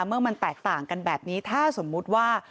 เมื่อมันแตกต่างกันแบบนี้ถ้าสมมุติว่า